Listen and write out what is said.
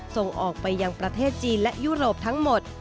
ส่งออกไปยังประเทศจีนและยุโรปทั้งหมด